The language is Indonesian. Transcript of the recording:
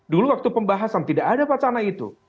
dulu waktu pembahasan tidak ada wacana itu